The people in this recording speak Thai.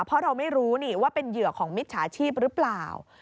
เพราะเราไม่รู้ว่าเป็นเหยื่อของมิจฉาชีพหรือเปล่า